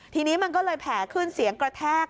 ทีนี้มันก็เลยแผลขึ้นเสียงกระแทก